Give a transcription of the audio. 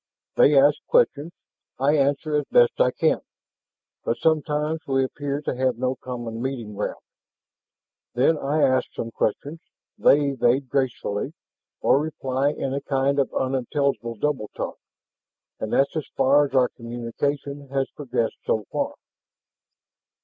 They ask questions, I answer as best I can, but sometimes we appear to have no common meeting ground. Then I ask some questions, they evade gracefully, or reply in a kind of unintelligible double talk, and that's as far as our communication has progressed so far."